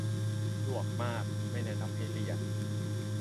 ดวกมาก ไม่แนะนำให้เรียน